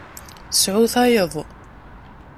Sɛu tayeḍ.